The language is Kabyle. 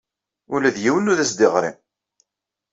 Ula d yiwen ur as-d-yeɣri.